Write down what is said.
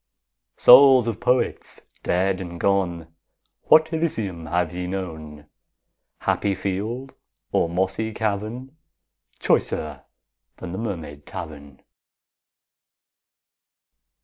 Souls of Poets dead and gone, What Elysium have ye known, Happy field or mossy cavern, Choicer than the Mermaid Tavern?